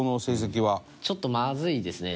隆貴君：ちょっとまずいですね。